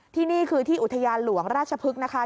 ที่นี่คือที่อุทยานหลวงราชพฤกษ์นะคะ